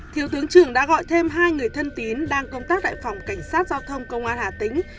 thiếu tướng trưởng đã gọi thêm hai người thân tín đang công tác tại phòng cảnh sát giao thông công an hà tĩnh